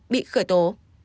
bị khởi tố